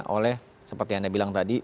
oleh seperti yang anda bilang tadi